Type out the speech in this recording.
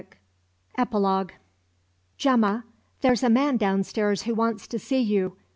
EPILOGUE. "GEMMA, there's a man downstairs who wants to see you."